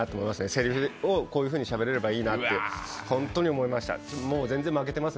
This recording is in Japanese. せりふをこういうふうにしゃべれればいいなと思いました。